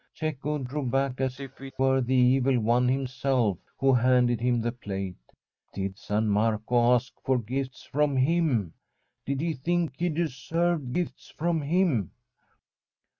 Cecco drew back as if it were the Evil One him self who handed him the plate. Did San Marco ask for gifts from him ? Did he think he deserved gifts from him